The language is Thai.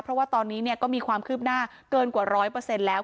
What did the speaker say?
เพราะว่าตอนนี้ก็มีความคืบหน้าเกินกว่า๑๐๐แล้ว